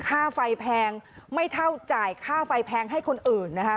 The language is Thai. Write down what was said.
ค่าไฟแพงไม่เท่าจ่ายค่าไฟแพงให้คนอื่นนะคะ